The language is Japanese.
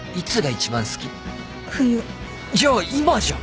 じゃあ今じゃん！